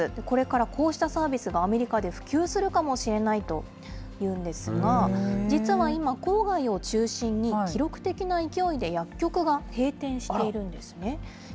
これからこうしたサービスがアメリカで普及するかもしれないというんですが、実は今、郊外を中心に、記録的な勢いで薬局が閉店しているんですね。